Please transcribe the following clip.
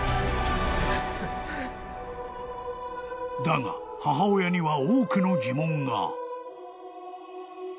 ［だが母親には多くの疑問が］